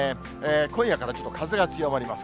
今夜からちょっと風が強まります。